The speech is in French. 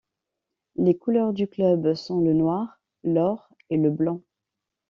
Les couleurs du club sont le noir, l'or et le blanc.